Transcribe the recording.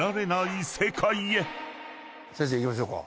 先生いきましょうか。